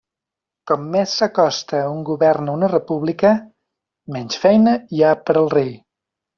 Com més s'acosta un govern a una república, menys feina hi ha per al rei.